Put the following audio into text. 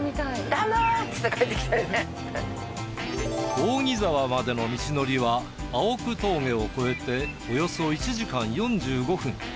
扇沢までの道のりは青具峠を越えておよそ１時間４５分。